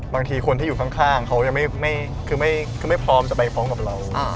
บางทีคนที่อยู่ข้างเขายังไม่พร้อมจะไปพร้อมกับเรา